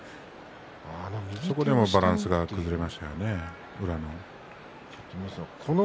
そこでもうバランスが崩れましたね、宇良の。